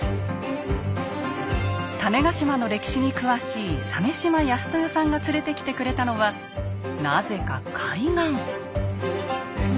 種子島の歴史に詳しい鮫嶋安豊さんが連れてきてくれたのはなぜか海岸。